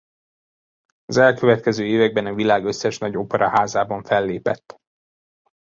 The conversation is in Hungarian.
Az elkövetkező években a világ összes nagy operaházában fellépett.